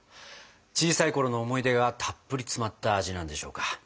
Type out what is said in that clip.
小さいころの思い出がたっぷり詰まった味なんでしょうか。